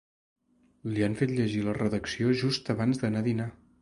Li han fet llegir la redacció just abans de dinar.